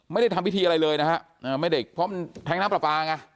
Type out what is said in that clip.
ไม่ได้ทำพิธีอะไรเลยนะฮะไม่ได้เพราะมันแท้งน้ำปลาปลาไง